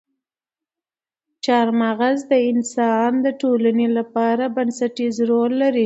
چار مغز د افغانستان د ټولنې لپاره بنسټيز رول لري.